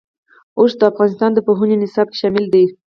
اوښ د افغانستان د پوهنې نصاب کې شامل دي.